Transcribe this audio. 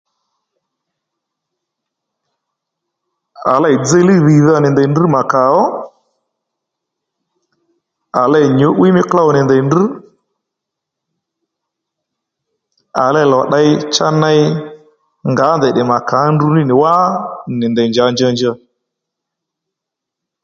À ley dziylíy dhìydha nì ndèy ndrŕ mà kà ó à lêy nyǔ'wiy mí klôw nì ndèy ndrř à lêy lò ddey cha ney ngǎ ndèy tdè mà k`a ó ndru ní nì wá nì ndèy njǎ njanja